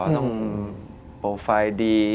ต้องโปรไฟล์ดี